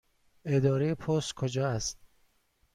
اداره پست کجا است؟